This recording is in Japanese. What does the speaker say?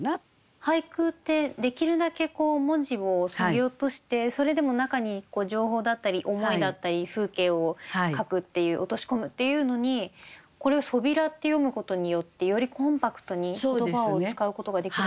俳句ってできるだけ文字をそぎ落としてそれでも中に情報だったり思いだったり風景を書くっていう落とし込むっていうのにこれを「そびら」って読むことによってよりコンパクトに言葉を使うことができるんだなと学びました。